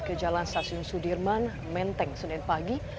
ke jalan stasiun sudirman menteng senin pagi